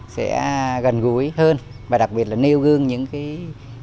sẽ gần gũi hơn và đặc biệt là nêu gương những cá nhân cụ thể đi làm việc vừa rồi